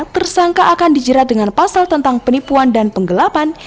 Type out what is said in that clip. tersangka akan dijerat dengan pasal tentang penipuan dan penggelapan